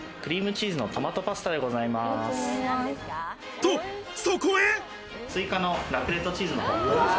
と、そこへ。